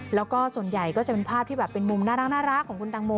แล้วก็ส่วนใหญ่ก็จะเป็นภาพที่แบบเป็นมุมน่ารักของคุณตังโม